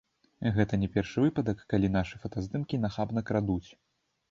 Гэта не першы выпадак, калі нашыя здымкі нахабна крадуць.